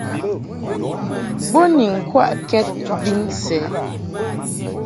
Bo ni ŋkwaʼkɛd vin sɛ.